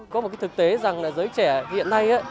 có một cái thực tế rằng là giới trẻ hiện nay